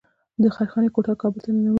د خیرخانې کوتل کابل ته ننوځي